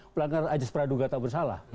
pelanggaran ajis praduga tak bersalah